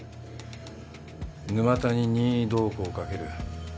沼田に任意同行をかける。